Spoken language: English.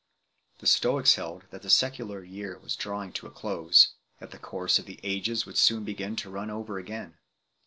The Stoics held that the secular year was drawing to a close, that the course of the ages would soon begin to run over again.